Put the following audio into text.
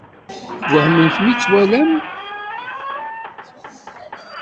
Twehmem mi tt-twalam?